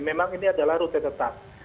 memang ini adalah rute tetap